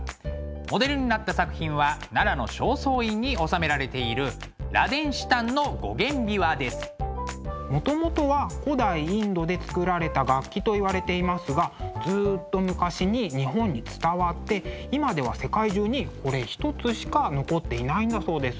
モデルになった作品は奈良の正倉院に収められているもともとは古代インドで作られた楽器といわれていますがずっと昔に日本に伝わって今では世界中にこれ一つしか残っていないんだそうです。